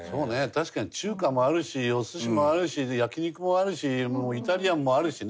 確かに中華もあるしお寿司もあるし焼肉もあるしもうイタリアンもあるしね。